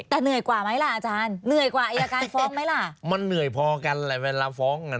แต่เหนื่อยกว่าไหมล่ะอาจารย์เหนื่อยกว่าอัยการฟ้องไหมล่ะ